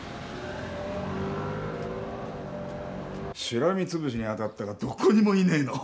しらみつぶしに当たったがどこにもいねえの。